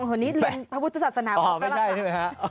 อันนี้เรียงภาพวุทธศาสนาอ๋อไม่ใช่ใช่ไหมครับ